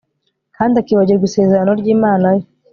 kandi akibagirwa isezerano ry'imana ye